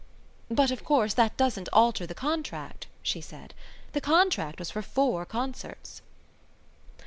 "But, of course, that doesn't alter the contract," she said. "The contract was for four concerts."